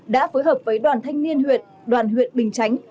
đã phối hợp với đoàn thanh niên huyệt đoàn huyệt bình tránh